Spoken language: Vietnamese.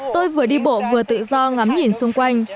tôi vừa đi bộ vừa tự do ngắm nhìn xuống hồ chí minh